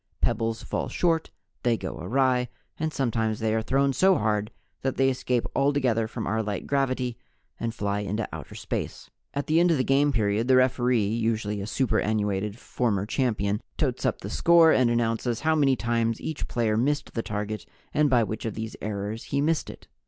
Pebbles fall short, they go awry, and sometimes they are thrown so hard that they escape altogether from our light gravity and fly into outer space. At the end of the game period the referee (usually a superannuated former champion) tots up the score and announces how many times each player missed the target and by which of these errors he missed it.